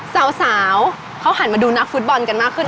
สาวเขาหันมาดูนักฟุตบอลกันมากขึ้น